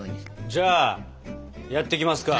じゃあやっていきますか。